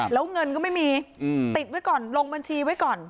แล้วเงินก็ไม่มีติดไว้ก่อนลงบัญชีไว้ก่อน